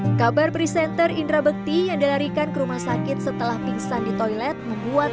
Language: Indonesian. hai kabar presenter indra bekti yang dilarikan ke rumah sakit setelah pingsan di toilet membuat